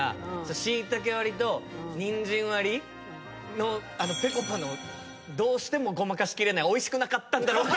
しいたけわりとにんじんわりのぺこぱのどうしてもごまかしきれないおいしくなかったんだろう感。